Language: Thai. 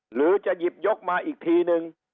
หรือจะหยิบยกมาอีกทีนึง